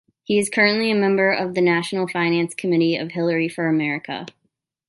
He is currently a member of the national finance committee of Hillary for America.